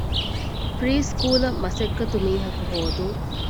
ޕްރީ ސްކޫލަށް މަސައްކަތު މީހަކު ހޯދުން